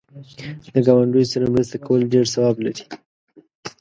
له گاونډیو سره مرسته کول ډېر ثواب لري.